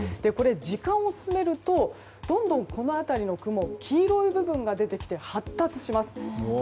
時間を進めるとどんどんこの辺りの雲黄色い部分が出てきて発達します。